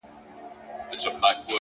هره ورځ د نوي پیل امکان لري’